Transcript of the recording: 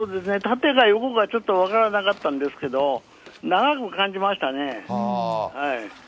そうですね、縦か横かちょっと分からなかったんですけど、長く感じましたね。